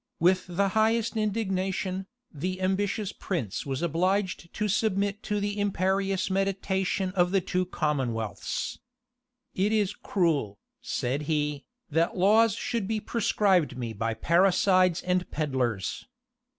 With the highest indignation, the ambitious prince was obliged to submit to the imperious mediation of the two commonwealths. "It is cruel," said he, "that laws should be prescribed me by parricides and pedlers."